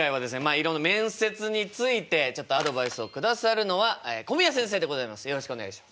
いろんな面接についてちょっとアドバイスを下さるのは古宮先生でございます。